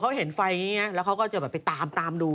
เขาเห็นไฟอย่างนี้แล้วเขาก็จะแบบไปตามตามดู